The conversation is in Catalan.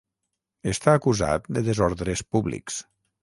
Està acusat de desordres públics.